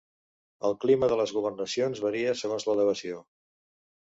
El clima de les governacions varia segons l'elevació.